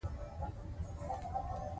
فساد د اقتصاد دښمن دی.